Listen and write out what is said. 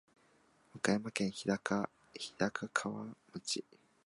和歌山県日高川町